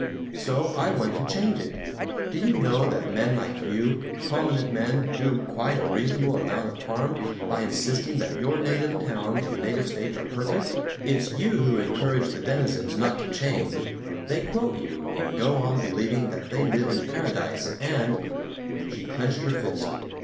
So I want to change it. Do you know that men like you, prominent men, do quite a reasonable amount of harm by insisting that your native towns and native states are perfect? It's you who encourage the denizens not to change. They quote you, and go on believing that they live in paradise, and " She clenched her fist.